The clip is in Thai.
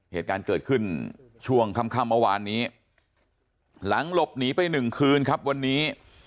เหตุการณ์เกิดขึ้นช่วงค่ำเมื่อวานนี้หลังหลบหนีไปหนึ่งคืนครับวันนี้